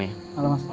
jiwanya gitu yang sih